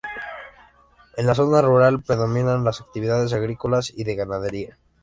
En la zona rural predominan las actividades agrícolas y de ganadería.